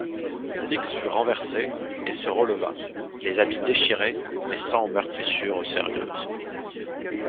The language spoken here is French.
Fix fut renversé et se releva, les habits déchirés, mais sans meurtrissure sérieuse.